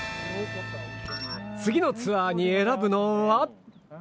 次のツアーに選ぶのは？